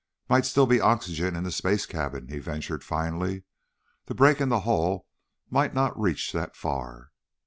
"Might still be oxygen in the space cabin," he ventured finally. "The break in the hull might not reach that far."